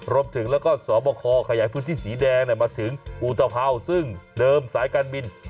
รวมถึงแล้วก็สอบคอขยายพื้นที่สีแดงมาถึงอุตภาวซึ่งเดิมสายการบิน